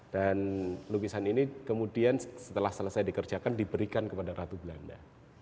dan lukisan ini kemudian setelah selesai dikerjakan diberikan kepada ratu belanda